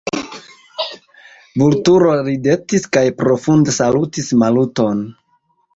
Vulturo ridetis kaj profunde salutis Maluton.